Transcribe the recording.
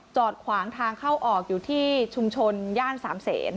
จอดขวางทางเข้าออกอยู่ที่ชุมชนย่านสามเศษ